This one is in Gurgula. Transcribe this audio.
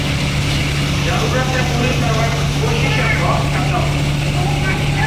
جرورتينٚ پوريٚ ڪروائيٚ ڪوشيشينٚ ڀوَت ڪردآئونٚ